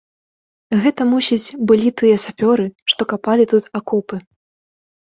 Гэта, мусіць, былі тыя сапёры, што капалі тут акопы.